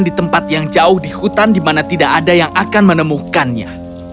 di tempat yang jauh di hutan di mana tidak ada yang akan menemukannya